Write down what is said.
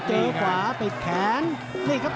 ติดตามยังน้อยกว่า